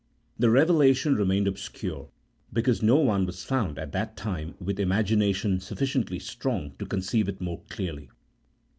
The revelation remained obscure because no cue was found, at that time, with imagination sufficiently strong to conceive it more clearly.